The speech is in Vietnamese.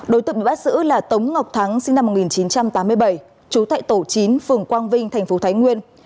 đối tượng bị bắt giữ là tống ngọc thắng sinh năm một nghìn chín trăm tám mươi bảy trú tại tổ chín phường quang vinh thành phố thái nguyên